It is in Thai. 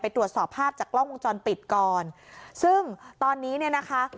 ตรวจสอบภาพจากกล้องวงจรปิดก่อนซึ่งตอนนี้เนี่ยนะคะ